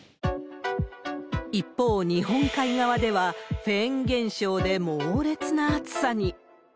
一方、日本海側ではフェーン現象で猛烈な暑さに。